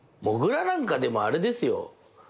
もぐらなんかでもあれですよ。